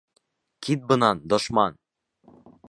Кит бынан, дошман!